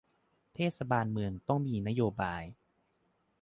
เทศบาลเมืองต้องมีนโยบาย